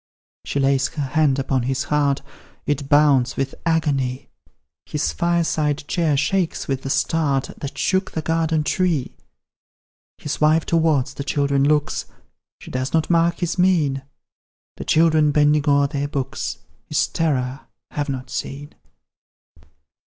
She lays her hand upon his heart, It bounds with agony; His fireside chair shakes with the start That shook the garden tree. His wife towards the children looks, She does not mark his mien; The children, bending o'er their books, His terror have not seen.